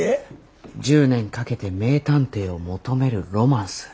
１０年かけて名探偵を求めるロマンス。